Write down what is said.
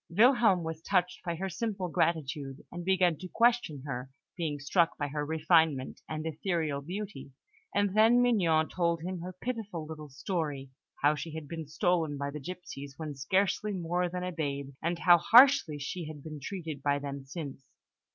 Wilhelm was touched by her simple gratitude, and began to question her, being struck by her refinement and ethereal beauty; and then Mignon told him her pitiful little story, how she had been stolen by the gipsies when scarcely more than a babe, and how harshly she had been treated by them since.